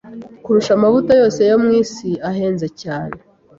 kurusha amavuta yose yo mu isi ahenze cyane